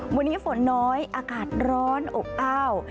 วันนี้ฝนน้อยอากาศร้อนอบอ้าว